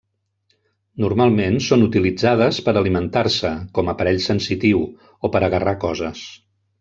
Normalment són utilitzades per alimentar-se, com aparell sensitiu, o per agarrar coses.